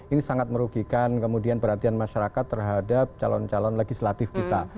ini sangat merugikan kemudian perhatian masyarakat terhadap calon calon legislatif kita